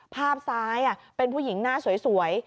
ภาพซ้ายเป็นผู้หญิงหน้าสวย